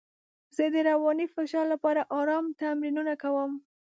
زه د رواني فشار لپاره ارام تمرینونه کوم.